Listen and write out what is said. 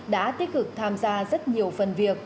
đã tích cực tham gia rất nhiều phần việc